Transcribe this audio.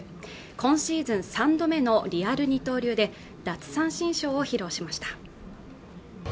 今シーズン３度目のリアル二刀流で奪三振ショーを披露しました